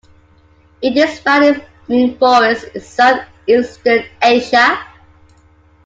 It is found in forests in south-eastern Asia.